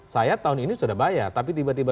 saya tahun ini sudah bayar tapi tiba tiba